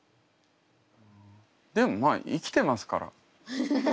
でもまあ生きてますから。